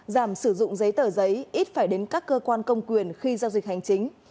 giảm sử dụng giấy tờ giấy ít phải đến các cơ quan công quyền khi giao dịch hành chính